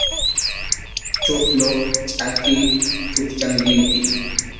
Chuqllup chʼaki chukchan llimpʼi.